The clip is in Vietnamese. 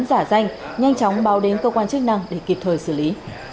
giả danh nhanh chóng báo đến cơ quan chức năng để kịp thời xử lý